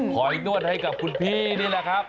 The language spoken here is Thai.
คอยนวดให้กับคุณพี่นี่แหละครับ